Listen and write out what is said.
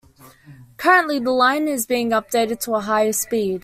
Currently the line is being updated to the higher speed.